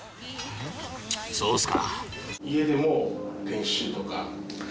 そうですか。